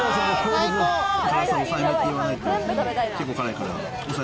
辛さ抑えめって言わないと辛いから。